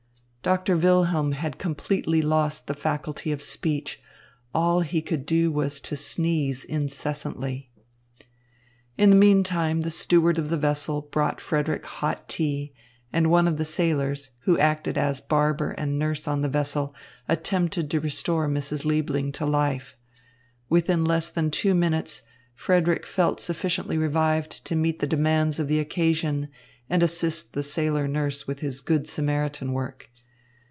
Doctor Wilhelm had completely lost the faculty of speech. All he could do was to sneeze incessantly. In the meantime, the steward of the vessel brought Frederick hot tea, and one of the sailors, who acted as barber and nurse on the vessel, attempted to restore Mrs. Liebling to life. Within less than two minutes, Frederick felt sufficiently revived to meet the demands of the occasion and assist the sailor nurse with his Good Samaritan work.